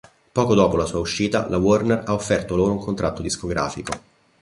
Poco dopo la sua uscita, la Warner ha offerto loro un contratto discografico.